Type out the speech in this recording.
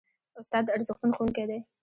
استاد د ارزښتونو ښوونکی دی.